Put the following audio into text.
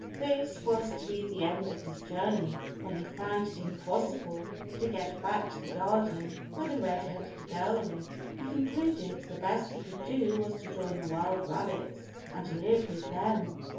This was to be the end of his journey. When he found it impossible to get back to the garden where the red headed girl lived, he concluded the best he could do was to join the wild rabbits and live with them.